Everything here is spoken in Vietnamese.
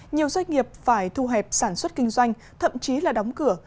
nhiều doanh nghiệp phải thu hẹp sản xuất kinh doanh thậm chí là đóng cửa